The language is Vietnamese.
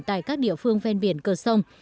tại các địa phương ven biển cờ sông